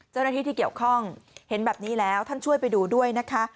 เจ้าหน้าที่ที่เกี่ยวข้องเห็นแบบนี้แล้วท่านช่วยไปดูด้วยนะคะ